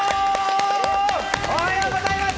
おはようございます！